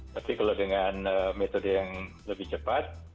tapi kalau dengan metode yang lebih cepat